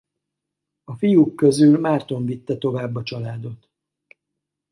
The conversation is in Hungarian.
A fiúk közül Márton vitte tovább a családot.